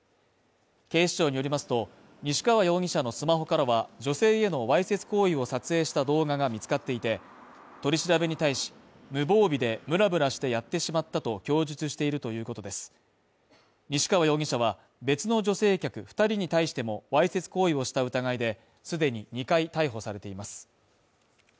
警視庁によりますと、西川容疑者のスマホからは、女性へのわいせつ行為を撮影した動画が見つかっていて、取り調べに対し無防備でムラムラしてやってしまったと供述しているということです西川容疑者は、別の女性客２人に対しても、わいせつ行為をした疑いで既に２回逮捕されています。